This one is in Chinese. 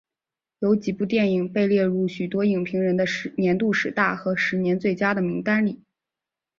有几部电影被列入许多影评人的年度十大和十年最佳的名单里。